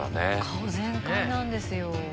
顔全開なんですよ。